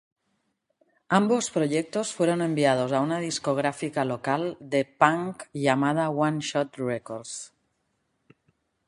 Ambos proyectos fueron enviados a una discográfica local de punk llamada OneShot Records.